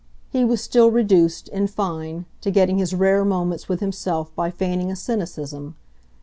He was still reduced, in fine, to getting his rare moments with himself by feigning a cynicism.